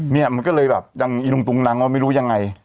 นี่มันก็เลยแบบอยู่ตรงนั้นว่าไม่รู้ยังไง